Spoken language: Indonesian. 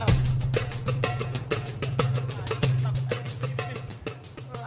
kam ini dia